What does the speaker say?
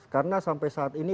karena sampai saat ini